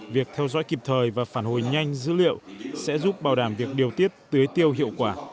việc theo dõi kịp thời và phản hồi nhanh dữ liệu sẽ giúp bảo đảm việc điều tiết tưới tiêu hiệu quả